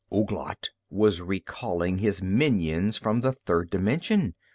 Ouglat was recalling his minions from the third dimension!